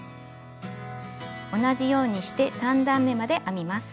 同じようにして３段めまで編みます。